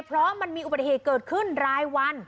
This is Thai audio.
เพราะมันมีอุบัติเหตุเกิดขึ้นรายวัน